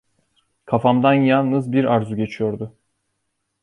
Kafamdan yalnız bir arzu geçiyordu.